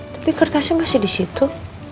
tapi kertasnya masih di situ